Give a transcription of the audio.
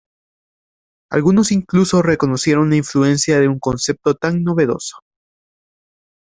Algunos incluso reconocieron la influencia de un concepto tan novedoso.